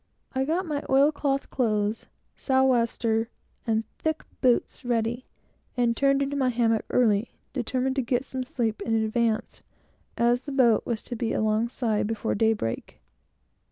I got my oil cloth clothes, south wester, and thick boots all ready, and turned into my hammock early, determined to get some sleep in advance, as the boat was to be alongside before daybreak.